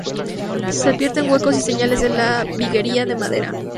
Se advierten huecos y señales de la viguería de madera.